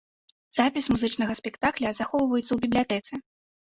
Запіс музычнага спектакля захоўваецца ў бібліятэцы.